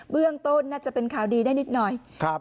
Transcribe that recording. เรื่องต้นน่าจะเป็นข่าวดีได้นิดหน่อยครับ